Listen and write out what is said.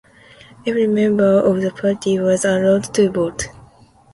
Every member of the party was allowed to vote.